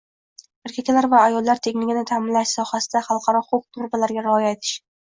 «erkaklar va ayollar tengligini ta’minlash sohasidagi xalqaro huquq normalariga rioya etish»